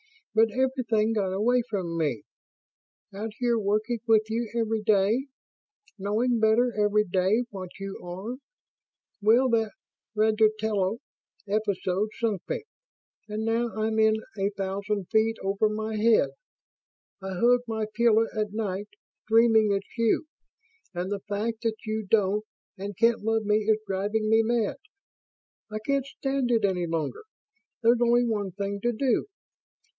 But everything got away from me. Out here working with you every day knowing better every day what you are well, that Rigoletto episode sunk me, and now I'm in a thousand feet over my head. I hug my pillow at night, dreaming it's you, and the fact that you don't and can't love me is driving me mad. I can't stand it any longer. There's only one thing to do.